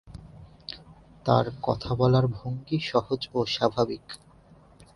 তাঁর কথা বলার ভঙ্গি সহজ ও স্বাভাবিক।